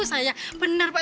saya benar pak